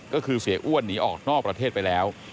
ก็คือเสียอ้วนหนีออกนอกประเทศไปแล้ว